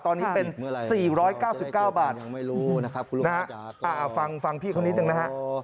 ตอนนี้เป็น๔๙๙บาทนะฮะฟังพี่เขานิดนึงนะฮะ